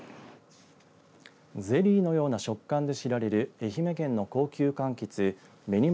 ゼリーのような食感で知られる愛媛県の高級かんきつ紅ま